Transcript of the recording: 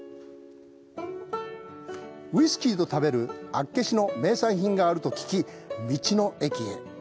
ウイスキーと食べる厚岸の名産品があると聞き、道の駅へ。